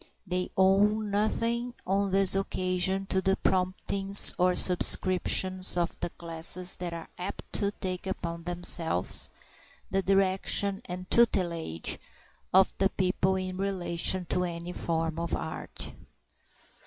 They owe nothing on this occasion to the promptings or the subscriptions of the classes that are apt to take upon themselves the direction and tutelage of the people in relation to any form of art.